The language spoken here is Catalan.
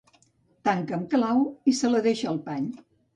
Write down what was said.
Tanca amb clau... i se la deixa al pany.